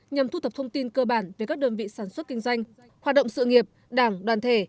nhằm thu thập thông tin cơ bản về các đơn vị sản xuất kinh doanh hoạt động sự nghiệp đảng đoàn thể